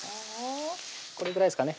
これぐらいですかね